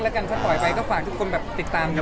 ถ้าปล่อยไปก็ฝากทุกคนติดตามด้วย